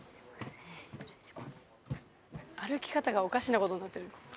歩き方がおかしなことになってる。